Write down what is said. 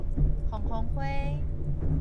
鳳凰花